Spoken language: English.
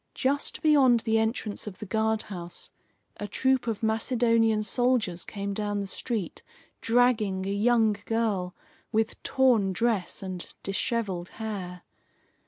Just beyond the entrance of the guardhouse a troop of Macedonian soldiers came down the street, dragging a young girl with torn dress and dishevelled hair.